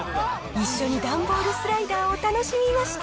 一緒に段ボールスライダーを楽しみました。